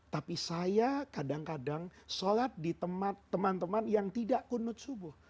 tapi saya kadang kadang sholat di teman teman yang tidak kunut subuh